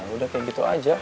udah kayak gitu aja